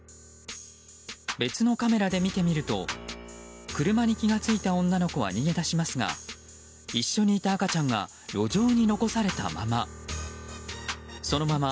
別のカメラで見てみると車に気が付いた女の子は逃げ出しますが一緒にいた赤ちゃんが路上に残されたまま。